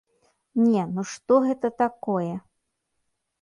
Не, ну што гэта такое?